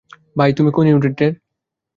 ভাই, তুমি কোন ইউনিটের?